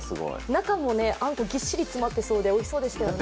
中もあんこぎっしり詰まってそうでおいしそうでしたよね。